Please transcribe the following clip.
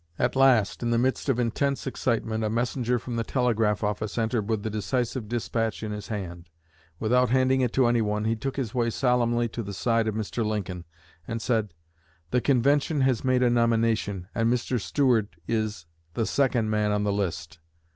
At last, in the midst of intense excitement, a messenger from the telegraph office entered with the decisive dispatch in his hand. Without handing it to anyone, he took his way solemnly to the side of Mr. Lincoln, and said: 'The convention has made a nomination, and Mr. Seward is the second man on the list.'